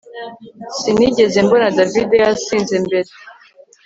Sinigeze mbona David yasinze mbere